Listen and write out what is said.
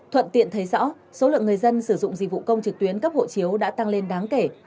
thuận tiện thấy rõ số lượng người dân sử dụng dịch vụ công trực tuyến cấp hộ chiếu đã tăng lên đáng kể